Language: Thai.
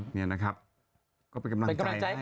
เป็นกำลังใจให้